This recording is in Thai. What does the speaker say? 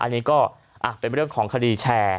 อันนี้ก็เป็นเรื่องของคดีแชร์